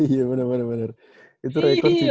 iya bener bener itu rekor juga